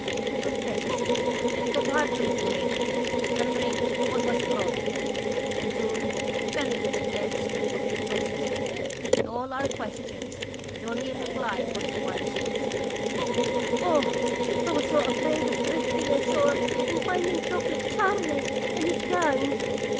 "He was dazed and could hardly be made to eat and drink what was brought him, and soon fell into the dead sleep of exhaustion. To all our questions his only reply was once to exclaim : "'Oh! I was so afraid of drifting ashore and finding Chocolate Charley and his gang!'"